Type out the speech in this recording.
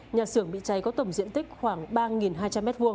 nhà xưởng bị cháy có tổng diện tích khoảng ba hai trăm linh m hai